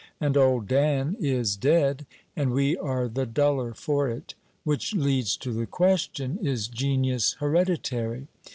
And old Dan is dead, and we are the duller for it! which leads to the question: Is genius hereditary?